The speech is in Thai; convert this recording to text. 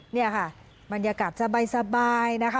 นี่ค่ะบรรยากาศสบายนะคะ